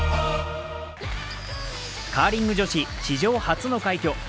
カーリング女子史上初の快挙。